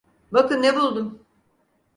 Bakın ne buldum.